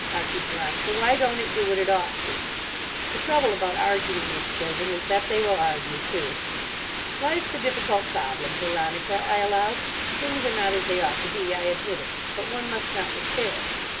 argued Veronica. "Why don't it do what it ought to?" The trouble about arguing with children is that they will argue too. "Life's a difficult problem, Veronica," I allowed. "Things are not as they ought to be, I admit it. But one must not despair.